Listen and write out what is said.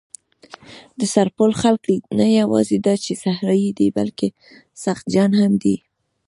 د سرپل خلک نه یواځې دا چې صحرايي دي، بلکې سخت جان هم دي.